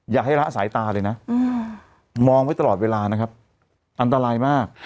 อย่าให้ละสายตาเลยนะมองไว้ตลอดเวลานะครับอันตรายมาก